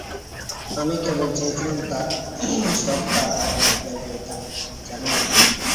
আমি কেবল চেয়েছিলাম সব তার আগের জায়গায় থাকুক, জানিস?